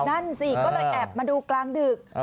นั่นสิก็เลยแอบมาดูกลางดึก